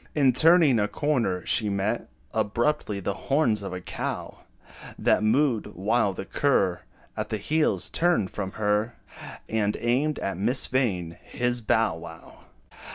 In turning a corner, she met Abruptly, the horns of a cow That mooed, while the cur, At her heels, turned from her, And aimed at Miss Vain his "bow wow."